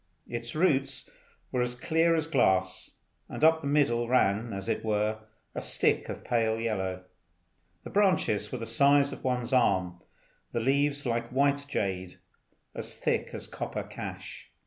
Its roots were as clear as glass, and up the middle ran, as it were, a stick of pale yellow. The branches were the size of one's arm; the leaves like white jade, as thick as a copper cash.